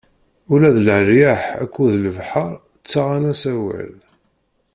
Ula d leryaḥ akked lebḥeṛ ttaɣen-as awal!